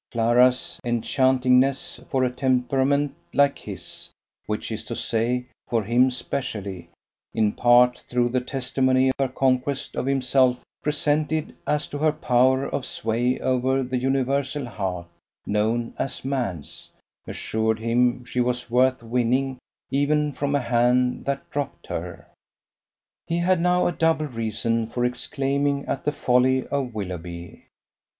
Clara's enchantingness for a temperament like his, which is to say, for him specially, in part through the testimony her conquest of himself presented as to her power of sway over the universal heart known as man's, assured him she was worth winning even from a hand that dropped her. He had now a double reason for exclaiming at the folly of Willoughby.